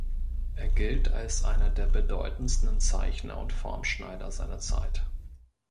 Er gilt als einer der bedeutendsten Zeichner und Formschneider seiner Zeit.